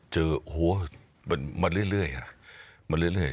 เจอมาเรื่อย